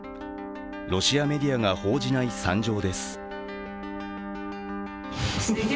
ロシアメディアが報じない惨状です。